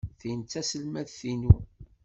Tin d taselmadt-inu.